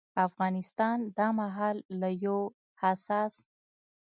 افغانستان دا مهال له يو حساس